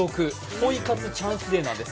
ポイ活チャンスデーなんです。